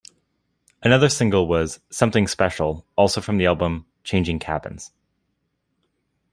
Another single was "Something Special", also from the album "Changing Cabins".